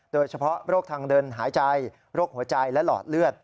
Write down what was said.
โดยเฉพาะโรคทางเดินหายใจโรคหัวใจและหลอดเลือด